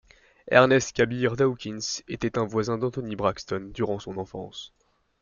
Ernest Khabeer Dawkins était un voisin d'Anthony Braxton durant son enfance.